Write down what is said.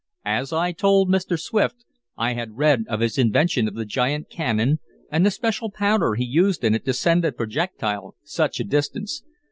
"As I told Mr. Swift, I had read of his invention of the giant cannon and the special powder he used in it to send a projectile such a distance.